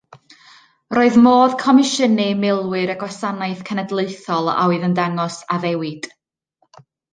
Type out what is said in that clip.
Roedd modd comisiynu milwyr y Gwasanaeth Cenedlaethol a oedd yn dangos addewid.